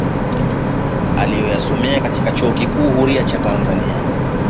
Aliyosomea katika chuo kikuu huria cha Tanzania